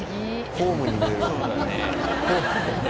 ホームに見えるな。